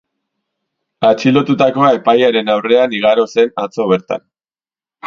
Atxilotutakoa epailearen aurrean igaro zen atzo bertan.